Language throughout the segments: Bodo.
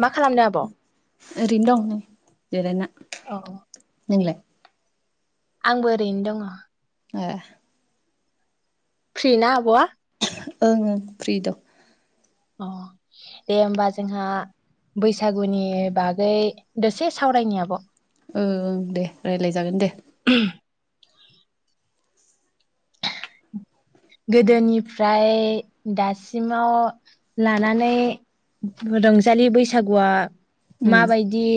मा खालामदों आब'? ओरैनो दं नै जिरायना। औ नोंलाय? आंबो ओरैनो दङ। ए। फ्रि ना आब'आ? ओं ओं फ्रि दं। अ दे होमबा जोंहा बैसागुनि बागै दसे सावरायनि आब'। ओ ओं दे रायज्लाय जागोन दे। [unintelligible] गोदोनिफ्राय दासिमाव लानानै रंजालि बैसागुआ ओम माबायदि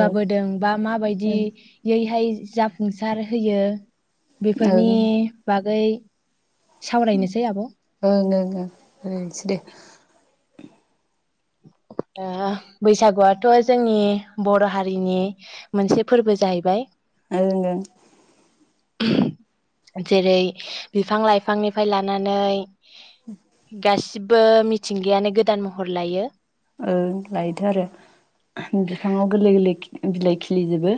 ओं बा ओं माबायदियैहाय जाफुंसार होयो ओं बेफोरनि बागै सावरायनोसै आब' ओं ओं ओं [unintelligible] दे। आ बैसागुआथ' जोंनि बर' हारिनि मोनसे फोरबो जाहैबाय। ओं ओं। जेरै बिफां लाइफांनिफाय लानानै गासिब बो मिथिंगायानो गोदान महर लायो। ओं लायोथो आरो बिफाङाव गोरलै गोरलै खि बिलाइ खिलिजोबो।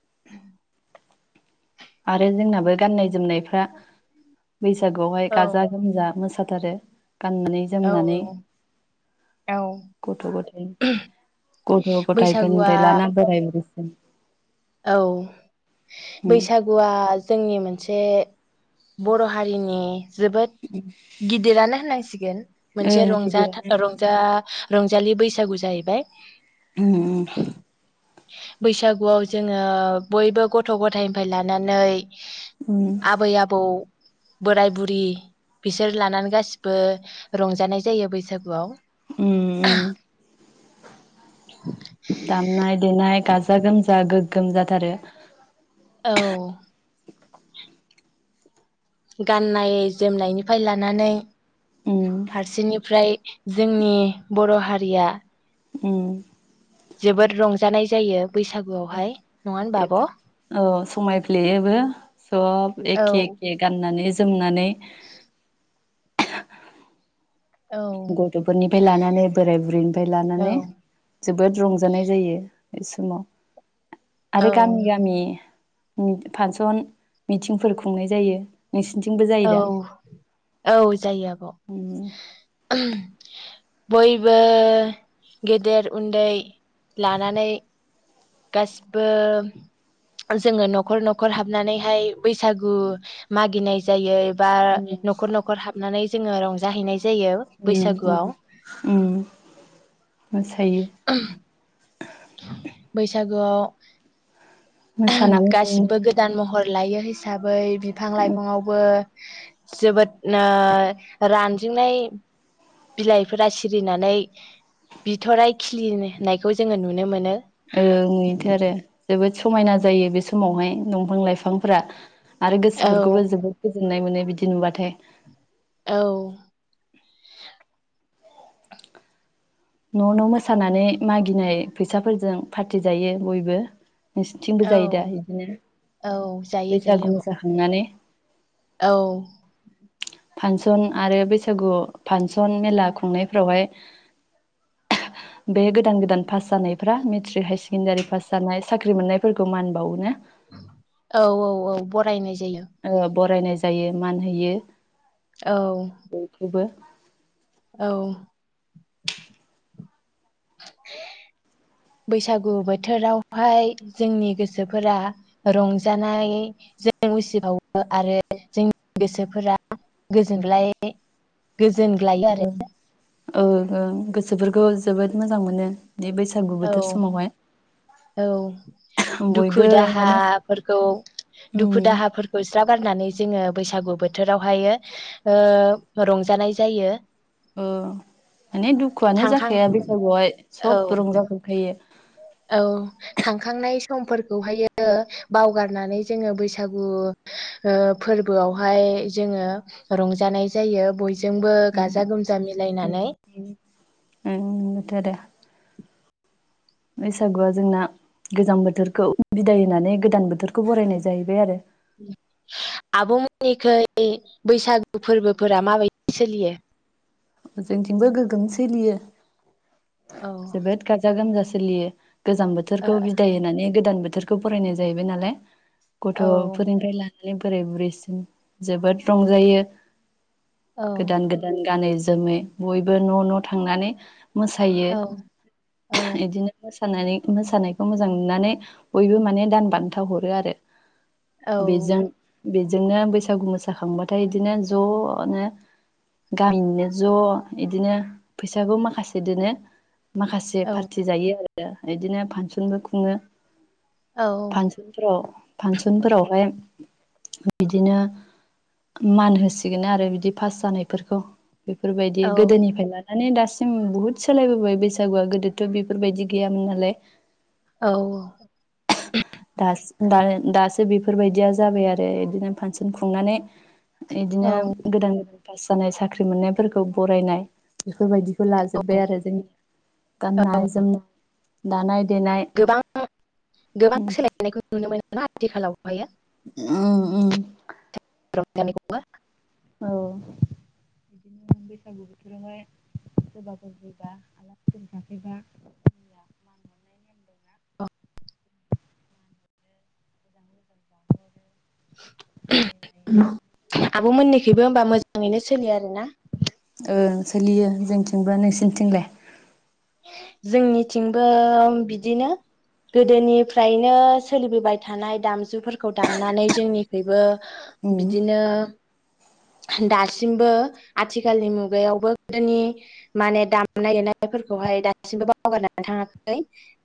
[inaudible] आरो जोंनाबो गाननाय जोमनायफ्रा बैसागुआवहाय औ गाजा गोमजा मोसा थारो गाननानै औ जोमनानै औ औ गथ' गथायाइ गथ' बैसागुआ गथाइफोरनिफ्राय लाना बोराय बुरै [unintelligible] औ। बैसागुआ जोंनि मोनसे बे बर' हारिनि जोबोद गिदिरानो होननांसिगोन मोनसे ओं गिदिरानो रंजाथा-रंजा रंजालि बैसागु जाहैबाय। ओम ओम बैसागुआव जोङो बयबो गथ' गथायनिफाय लानानै ओम आबै आबौ बोराय बुरि बिसोर लानानै गासिबो रंजानाय जायो बैसागुआव। उम उम दामनाय देनाय गाज गाजा गोमजा गोगोम जाथारो। औ। गाननाय जोमनायनिफाय लानानै उम फारसेनिफ्राय जोंनि बर' हारिया उम। जोबोद रंजानाय जायो बैसागुआवहाय नङा होनबा आब'? औ समायफ्लेयोबो सब एखे औ एखे गाननानै जोमनानै [inaudible] [unintelligible] औ गथ'फोरनिफ्राय लानानै बोराय बुरैनिफ्राय लानानै। जोबोद रंजानाय जायो बे समाव। औ आरो गामि गामि फांसन मिथिंफोर खुंनाय जायो। नोंसिनिथिंबो जायो औ दा औ जायो आब। उम बयबो गेदेर उन्दै लानानै गासिबो जोङो न'खर न'खर हाबनानैहाय बैसागु मागिनाय जायो। बा न'खर न'खर हाबनानै जोङो रंजाहैनाय जायो उम उम बैसागुआव उम मोसायो। बैसागोआव मोसानानै गासिबो गोदान महर लायो हिसाबै बिफां लाइफाङावबो जोबोद ओ रानजिंनाय बिलाइफोरा सिरिनानै बिथराय खिलिनायखौ जोङो नु नो मोनो। ओ नुयोथ' आरो जोबोद समायना जायो बे समावहाय दंफां लाइफांफोरा आरो औ गोसोफोरखौबो जोबोद गोजोननाय मोनो बिदि नुबाथाय। औ। न' न' मोसानानै मागिनाय फैसाफोरजों फार्टि जायो बयबो। नोंसोरथिंबो औ जायो दा बिदिनो औ जायो जायो बैसागु आब' मोसाखांनानै औ फांसन आरो बैसागु फांसन मेला खुंनायफोरावहाय बे गोदान गोदान पास जानायफ्रा मेट्रिक हायार सेकेण्डारि पास जानाय साख्रि मोननायफोरखौ मान बावो ना? औ औ औ बरायनाय जायो ओ बरायनाय जायो मान होयो। औ बयखौबो। औ। बैसागु बोथोरावहाय जोंनि गोसोफोरा रंजानायजों उसिफावो आरो जोंनि गोसोफोरा गोजोनग्लाय गोजोनग्लायो आरो। ओ ओं गोसोफोरखौ जोबोद मोजां मोनो। बे बैसागु बोथोर औ समावहाय। औ दुखु बयबो माने दाहाफोरखौ दुखु उम दाहाफोरखौ ज्राब। गारनानै जोङो बैसागु बोथोरावहायो रंजानाय जायो। अ माने दुखुआनो थांखां जाखाया बैसागुआवहाय औ सब रंजाजोबखायो। औ थांखांनाय समफोरखौहायो बावगारनानै जोङो बैसागु फोरबोआवहाय जोङो रंजानाय जायो बयबो बयजोंबो गाजा गोमजा मिलायनानै बेथ' आरो बैसागुआ जोंना गोजाम बोथोरखौ बिदाय होनानै गोदान बोथोरखौ बरायनाय जाहैबाय आरो। आब'मोननिखै बैसागु फोरबोफोरा माबायदि सोलियो। जोंथिंबो गोगोम सोलियो। औ ओ जोबोद गाजा गोमजा सोलियो। गोजाम बोथोरखौ बिदाय होनानै गोदान बोथोर बोथोरखौ बरायनाय जाहैबाय नालाय। गथ' फोरनिफ्राय लानानै बोराय बुरैसिम जोबोद रंजायो। ओ गोदान गोदान गानै जोमै बयबो न' न' थांनानै मोसायो औ औ बिदिनो मोसानानै मोसानायखौ मोजां नुनानै बयबो माने दान बान्था हरो आरो। औ बिजों बेजोंनो बैसागु मोसाखांबाथाय बिदिनो ज'नो गामिनिनो ज' बिदिनो फैसाखौ माखासे दोनो। माखासे पार्टि जायो आरो। आरो बिदिनो फानसनबो खुङो। औ फानसनफोराव फानसनफोरावहाय बिदिनो मान होसिगोन आरो बिदि पास जानायफोरखौ। बेफोरबायदि औ गोदोनिफ्राय लानानै दासिम सिम बुहुद सालायबोबाय बैसागुआ गोदोथ' बेफोरबायदि गैयामोन नालाय। औ दासो दासो बेफोरबायदिया जाबाय आरो बिदिनो फानसन खुंनानै बिदिनो औ गोदान पास जानाय साख्रि मोननाय फोरखौ बरायनाय। बेफोरबायदिखौ ओ लाजोब्बाय आरो जोंनि गाननाय जोमनाय, दानाय देनाय, गोबां आथिखालाव हायो? उम उम [unintelligible] औ बैसागु बोथोरावहाय सोरबाफोर फैबा आलासि फोर जाफैबा [unintelligible] अ आब' मोननिखैबो होनबा मोजाङैनो सोलियो आरोना? ओं सोलियो जोंथिंबो। नोंसिनिथिंलाय? जोंनिथिंबो बिदिनो गोदोनिफ्रायनो सोलिबोबाय थानाय दामजुफोर खौ दामनानै जोंनि खैबो उम बिदिनो दासिमबो आथिखालनि मुगायावबो गोदोनि माने दामनाय देनायफोर खौहाय दासिमबो बावगारनानै थाङाखै।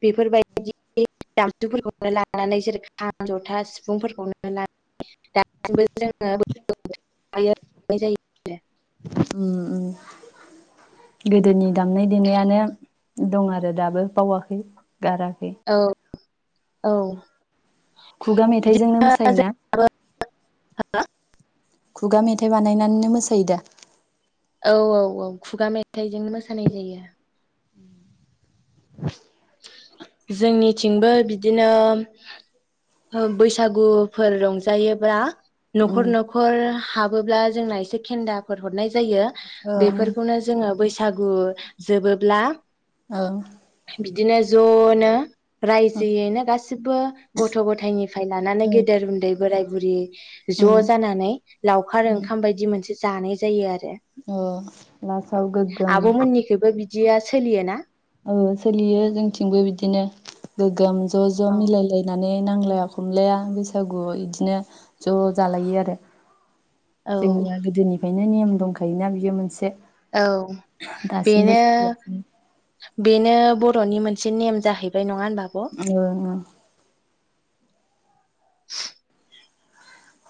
बेफोरबायदि जामजुफोरखौनो लानानै जेरै खाम, जथा, सिफुंफोरखौनो लानानै दासिमबो जोङो [unintelligible] उम उम गोदोनि दामनाय देनायानो दं आरो दाबो बावाखै। गाराखै। आरो औ औ खुगा मेथाइजोंनो बिदिनो मोसायोना? जों खुगा मेथाइ बानायनानैनो मोसा योदा? औ औ औ खुगा मेथाइजों मोसानाय जायो। [inaudible] जोंनिथिंबो बिदिनो ओ बैसागुफोर रंजायोब्ला न'खर उम न'खर हाबोब्ला जोंना एसे खेन्दाफोर हरनाय जायो । ओं बेफोरखौनो जोङो बै सागु जोबोब्ला औ बिदिनो ज'नो उम रायजोयैनो गासिबो गथ' गथायनिफ्राय लानानै उम गेदेर उन्दै बोराय बुरि ज' उम जानानै लावखार ओंखाम बायदि मोनसे जानाय जायो आरो। ओ लासाव गोग्गोम जिया सोलियोना? औ सोलियो जोंथिंबो बिदिनो गोग्गोम ज' ज' औ मिलायलायनानै नांलाया खमलाया बैसागु इदिनो ज' जालायो आरो । औ जोंनिया गोदोनिफाय नो नेम दंखायोना बियो मोनसे औ दासिमबो बेनो सोलिगासिनो बेनो बर'नि मोनसे नेम जाहैबाय न ओं [unintelligible]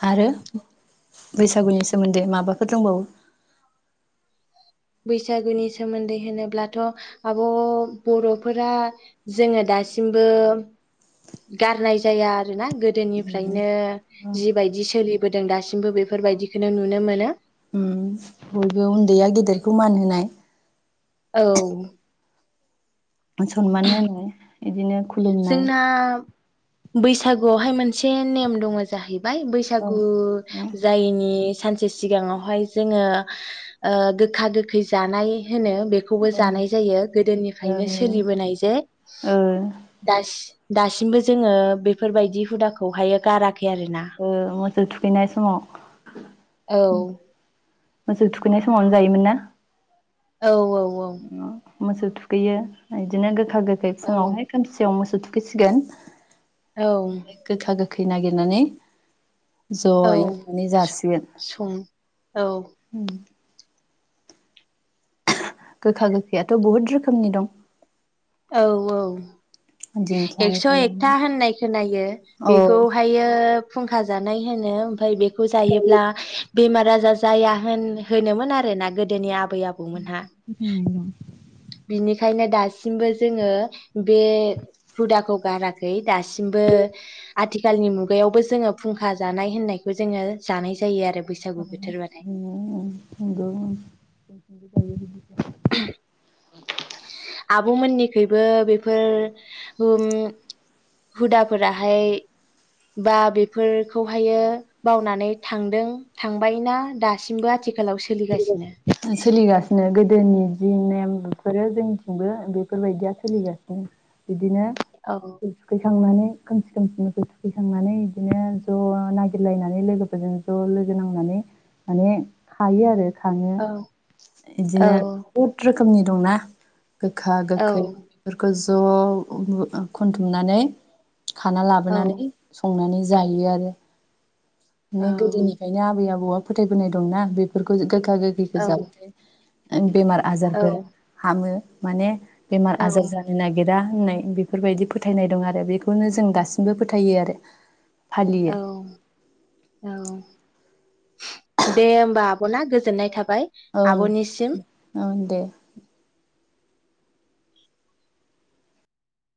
आरो बैसाग बैसागुनि सोमोन्दै माबाफोर दंबावो। बैसागुनि सोमोन्दै होनोब्लाथ' आब' बर'फोरा जोङो दासिमबो गारनाय जाया आरोना गोदोनिफ्रायनो जिबायदि सोलिबोदों दासिमबो बेफोरबायदिखौनो नुनो मोनो। बयबो उन्दैया गेदेरखौ मान होनाय। औ। सनमान होनाय इदिनो। जोंना बैसागुआवहाय मोनसे नेम दङ जाहै बाय औ बैसागु जायैनि सानसे सिगाङावहाय जोङो ओ गोखा गोखै जानाय। होनो बेखौबो जानाय जायो गोदोनिफ्रायनो सोलिबोनाय जे। दासिम दासिमबो जोङो बेफोरबायदि हुदाखौहायो गारा खै आरोना। सौ थुखैनाय समाव। औ। मोसौ थुखैनाय समावनो जायोमोन ना? औ औ औ। मोसौ थुखैयो इदिनो गोद फागोखै औ फुङावहाय खोमसियाव मोसौ थु फैसिगोन। औ गोखा गो खै नागिरनानै औ ज'यै मानि जासिगोन सं औ उम। गोखा गोखैयाथ' बहुद रोखोमनि दं औ औ एक्स' दिंखियानिफ्राय एकथा लाना होननाय खोनायो औ बेखौहायो फुंखा जानाय होनो। ओमफाय बे बेखौ जायोब्ला बेमार आजार जाया होन होनोमोन आरोना गोदोनि आ बै आबौ मोनहा। बिनिखायनो दासिमबो जोङो बे हुदाखौ गारा खै दासिमबो आथि खालनि मुगायावबो जोङो फुंखा जानाय होननायखौ जोङो जानाय जायो आरो बैसागु बोथोरबाथाय [unintelligible] जायो बिदिब्ला [unintelligible] आब' मोननिखैबो बेफोर उम हुदाफोराहाय बा बेफोरखौहायो बावनानै थांदों थांबाय ना दासिमबो आथि सोलिगासिनो गोदोनि जि नेम बेफोरो जोंनिथिंबो बेफोरबायदिया सोलिगासिनो बिदिनो औ [unintelligible] इस्कुल थांनानै खोमसि खोमसि थुखैखांनानै बिदिनो ज' नागिरलायनानै लोगोफोरजों ज' लोगो नांनानै माने थायो आरो। खाङो औ औ इदिनो खोमनि दंना गोखा औ गोखै बेफोरखौ ज' ओ खुनथुमनानै खाना औ लाबोनानै संनानै जायो आरो। औ बिदिनो गोदोनिफ्रायनो आबै आबौआ फोथायबोनाय दंना बेफोरखौ गो खा गोखैखौ औ जाबाथाय ओं बेमार आजारफोरा हामो। माने बेमार औ आजार जानो नागिरा। ओननाय बेफोरबायदि फोथायनाय दं आरो बेखौनो जों दासिमबो फोथायो आरो। फालियो औ। औ दे होमबा आब ब'ना गोजोननाय थाबाय ओं आबनिसिम। ओं दे